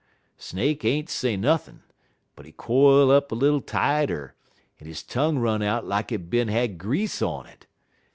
Snake ain't say nothin', but he quile up a little tighter, en he tongue run out lak it bin had grease on it.